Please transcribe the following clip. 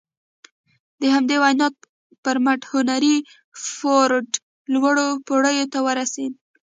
د همدې وينا پر مټ هنري فورډ لوړو پوړيو ته ورسېد.